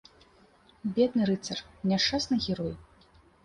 Бедны рыцар, няшчасны герой!